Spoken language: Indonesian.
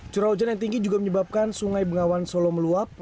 curah hujan yang tinggi juga menyebabkan sungai bengawan solo meluap